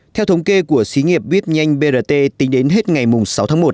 theo thống kê của sĩ nghiệp biếp nhanh brt tính đến hết ngày sáu tháng một